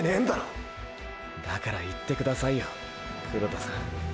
だから行ってくださいよ黒田さん。